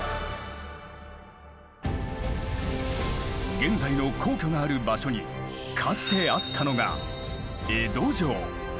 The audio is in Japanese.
現在の皇居がある場所にかつてあったのが江戸城。